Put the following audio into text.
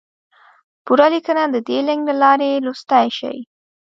پوره لیکنه د دې لینک له لارې لوستی شئ!